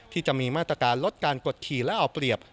ที่มีมาตรการลดการกดขี่และเอาเปรียบ